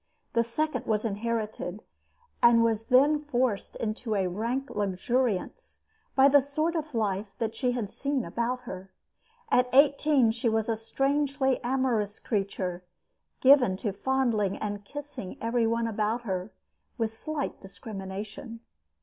The second was inherited, and was then forced into a rank luxuriance by the sort of life that she had seen about her. At eighteen she was a strangely amorous creature, given to fondling and kissing every one about her, with slight discrimination.